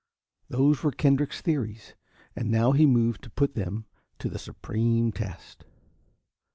Those were Kendrick's theories, and now he moved to put them to the supreme test.